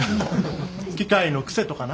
機械の癖とかな。